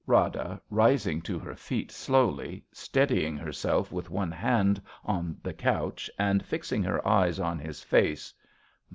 Rada {rising to her feet sloivly, steadying herself ivith one hand on the couch and fixing her eyes on his face).